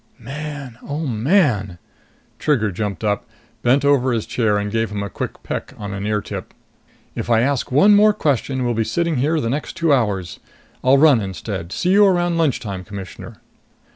"Man, oh, man!" Trigger jumped up, bent over his chair and gave him a quick peck on an ear tip. "If I ask one more question, we'll be sitting here the next two hours. I'll run instead! See you around lunchtime, Commissioner!"